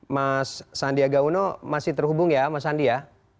mas sandiaga uno masih terhubung ya mas andi ya